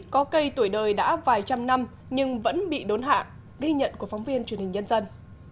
có cây tuổi đời đã vài trăm năm nhưng vẫn bị đốn hạ ghi nhận của phóng viên truyền hình nhân dân